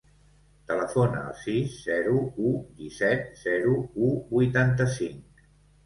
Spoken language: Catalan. Telefona al sis, zero, u, disset, zero, u, vuitanta-cinc.